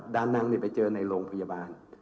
ด้านนางไปเจอในโรงพยาบาล